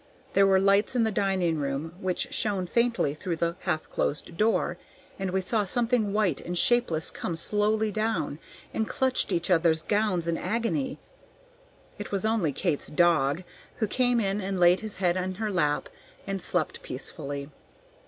There were lights in the dining room which shone faintly through the half closed door, and we saw something white and shapeless come slowly down, and clutched each other's gowns in agony. It was only Kate's dog, who came in and laid his head in her lap and slept peacefully.